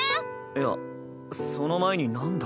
いやその前になんだ？